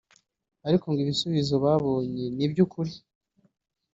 ariko ngo ibisubizo babonye ni iby’ukuri